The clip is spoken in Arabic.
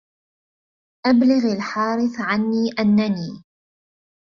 أبلغ الحارث عني أنني